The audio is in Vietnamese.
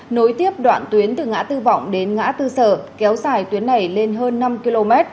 nối tiếp đoạn tuyến từ ngã tư vọng đến ngã tư sở kéo dài tuyến này lên hơn năm km